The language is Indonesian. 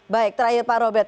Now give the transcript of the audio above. baik terakhir pak robet